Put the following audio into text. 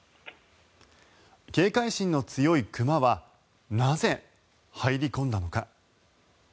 警戒心の強い熊はなぜ、入り込んだのか。